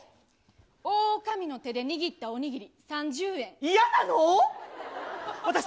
大女将の手で握ったおにぎり嫌なの？